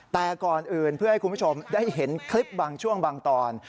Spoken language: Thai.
แต่ก่อนอื่นเพื่อให้คุณผู้ชมได้เห็นคลิปบางช่วงบางตอน